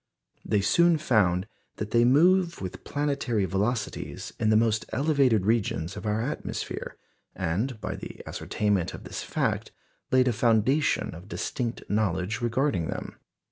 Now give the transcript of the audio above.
They soon found that they move with planetary velocities in the most elevated regions of our atmosphere, and by the ascertainment of this fact laid a foundation of distinct knowledge regarding them.